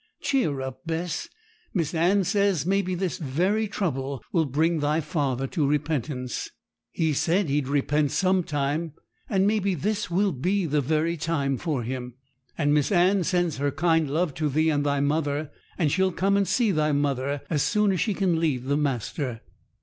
Cheer up, Bess. Miss Anne says, maybe this very trouble will bring thy father to repentance. He said he'd repent some time; and maybe this will be the very time for him. And Miss Anne sends her kind love to thee and thy mother, and she'll come and see thy mother as soon as she can leave the master.'